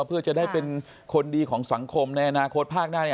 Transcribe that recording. เพื่อจะได้เป็นคนดีของสังคมในอนาคตภาคหน้า